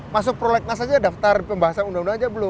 masuk prolegnas saja daftar pembahasan undang undang aja belum